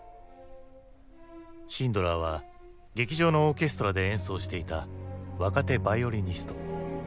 シンドラーは劇場のオーケストラで演奏していた若手バイオリニスト。